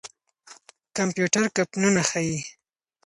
کمپيوټر کوپنونه ښيي.